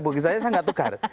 bukannya saya gak tukar